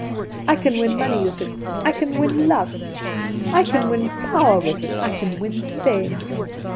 I can win money with it, I can win love; I can win power with it, I can win fame.